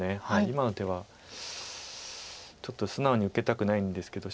今の手はちょっと素直に受けたくないんですけど。